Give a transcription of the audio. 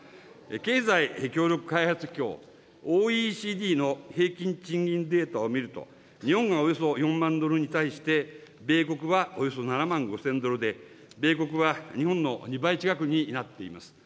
経済協力開発機構・ＯＥＣＤの平均賃金データを見ると、日本がおよそ４万ドルに対して、米国はおよそ７万５０００ドルで米国は日本の２倍近くになっています。